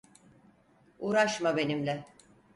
Uğraşma benimle.